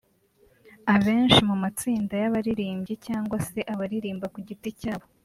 Abenshi mu matsinda y’abaririmbyi cyangwa se abaririmba ku giti cyabo